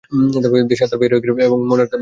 দেহ আত্মার বাহিরের এবং মন আত্মার ভিতরের আবরণ।